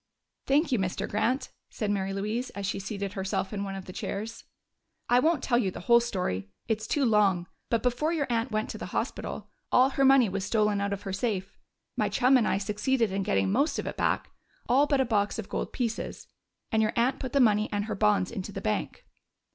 "Thank you, Mr. Grant," said Mary Louise, as she seated herself in one of the chairs. "I won't tell you the whole story it's too long. But before your aunt went to the hospital, all her money was stolen out of her safe. My chum and I succeeded in getting most of it back all but a box of gold pieces and your aunt put the money and her bonds into the bank.